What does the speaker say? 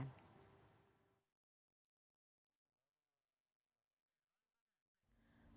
menteri koordinator bidang maritim dan investasi luhut bin sar panjaitan